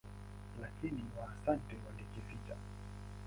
Lakini Waasante walikificha.